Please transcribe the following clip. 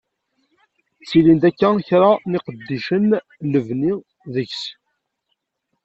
Ttilin-d akka kra n yiqeddicen n lebni deg-s.